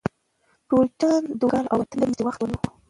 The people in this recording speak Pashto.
ټولټال دوه کاله او اته میاشتې وخت ونیو.